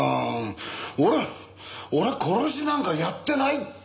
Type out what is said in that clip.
俺は俺は殺しなんかやってないって！